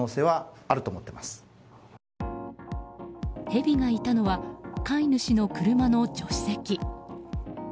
ヘビがいたのは飼い主の車の助手席。